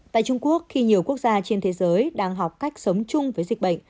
tại trung quốc khi nhiều quốc gia trên thế giới đang học cách sống chung với dịch bệnh